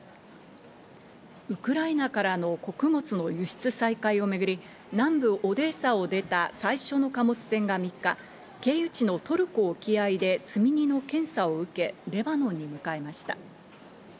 ウクライナからの穀物の輸出再開をめぐり、南部オデーサを出た最初の貨物船が３日、経由地のトルコ沖合で積荷の検査を受け、レバノンに向かいました。